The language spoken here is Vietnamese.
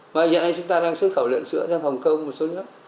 và hiện nay chúng ta đang xuất khẩu lợn sữa sang hồng kông một số nước